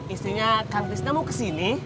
istrinya kang kristen mau kesini